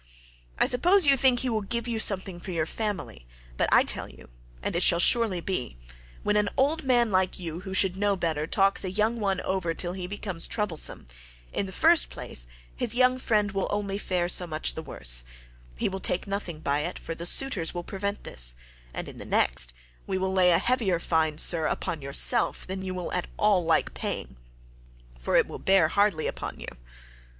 I suppose you think he will give you something for your family, but I tell you—and it shall surely be—when an old man like you, who should know better, talks a young one over till he becomes troublesome, in the first place his young friend will only fare so much the worse—he will take nothing by it, for the suitors will prevent this—and in the next, we will lay a heavier fine, sir, upon yourself than you will at all like paying, for it will bear hardly upon you.